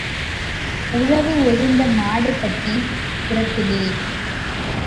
உழவு ஒழிந்த மாடு பட்டிப் புறத்திலே.